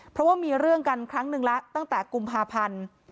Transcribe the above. เพราะว่ามีเรื่องกันครั้งหนึ่งแล้วตั้งแต่กุมภาพันธ์